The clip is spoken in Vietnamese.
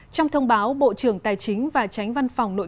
trong thông báo bộ trưởng tài chính và tránh văn phòng nội